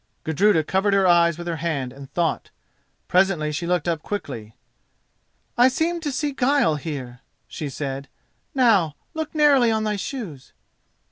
Gudruda covered her eyes with her hand and thought. Presently she looked up quickly. "I seem to see guile here," she said. "Now look narrowly on thy shoes."